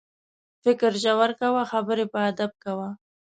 فکر ژور کوه، خبرې په ادب کوه.